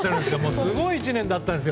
すごい１年だったんですよ。